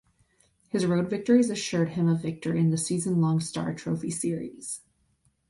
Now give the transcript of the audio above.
His road victories assured him of victory in the season-long Star Trophy series.